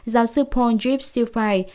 giáo sư paul drip silphide